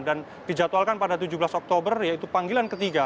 dan dijadwalkan pada tujuh belas oktober yaitu panggilan ketiga